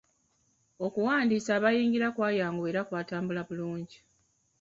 Okuwandiisa abayingira kwayanguwa era kwatambula bulungi.